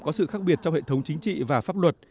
có sự khác biệt trong hệ thống chính trị và pháp luật